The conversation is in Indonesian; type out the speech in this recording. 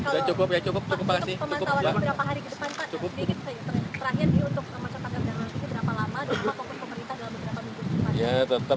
dan apa pun pemerintah dalam beberapa minggu